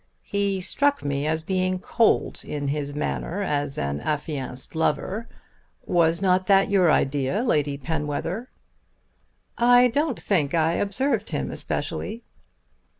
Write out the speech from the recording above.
He struck me as being cold in his manner as an affianced lover. Was not that your idea, Lady Penwether?" "I don't think I observed him especially."